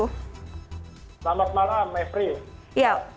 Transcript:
selamat malam mepri